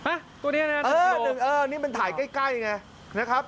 ตัวนี้นะครับ๑กิโลเออนี่มันถ่ายใกล้นะครับ